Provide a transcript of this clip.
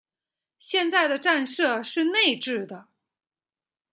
现在的站舍是内置的。